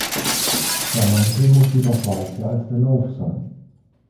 Der Mantel muss jedoch weicher als der Lauf sein.